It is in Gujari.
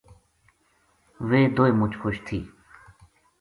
ویہ دوئے مُچ خوش تھی